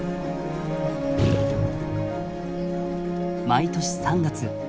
毎年３月。